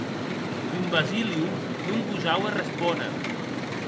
D. Basilio non gosaue respóner.